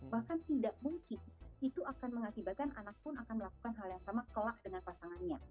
bahkan tidak mungkin itu akan mengakibatkan anak pun akan melakukan hal yang sama kelak dengan pasangannya